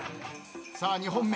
さあ２本目。